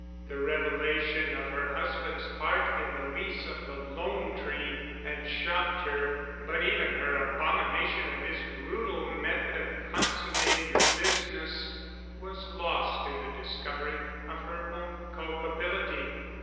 The revelation of her husband's part in the lease of the "Lone Tree" had shocked her, but even her abomination of his brutal method of consummating the business was lost in the discovery of her own culpability.